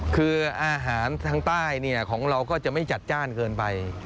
คืออาหารทางใต้ของเราก็จะไม่จัดจ้านเกินไป